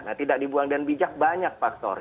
nah tidak dibuang dengan bijak banyak faktor